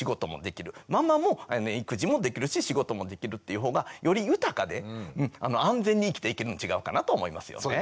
ママも育児もできるし仕事もできるっていうほうがより豊かで安全に生きていけるん違うかなと思いますよね。